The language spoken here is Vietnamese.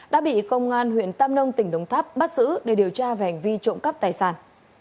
đã bị công an huyện tam nông tỉnh đồng tháp bắt giữ để điều tra về hành vi trộm cắp tài sản